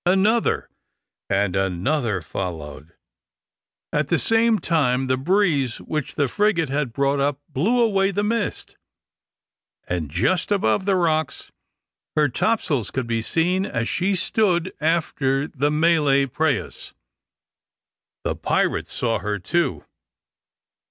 Another and another followed. At the same time the breeze which the frigate had brought up blew away the mist; and just above the rocks her topsails could be seen as she stood after the Malay prahus. The pirates saw her too.